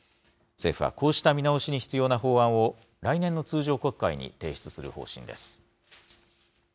政府はこうした見直しに必要な法案を、来年の通常国会に提出する方針です。